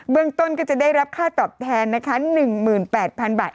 เบื้องต้นก็จะได้รับค่าตอบแทน๑หมื่น๘๐๐๐บาท